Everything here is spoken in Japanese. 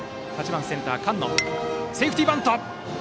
８番センター、菅野セーフティーバント。